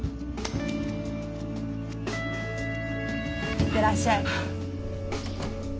行ってらっしゃい